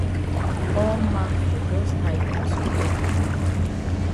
All man fon jus hide for some corner.